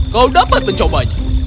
kau bisa mencobanya